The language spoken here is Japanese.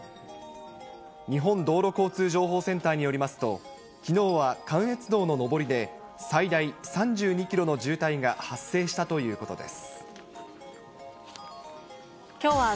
日本道路交通情報センターによりますと、きのうは関越道の上りで、最大３２キロの渋滞が発生したということです。